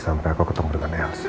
sampai aku ketemu dengan irc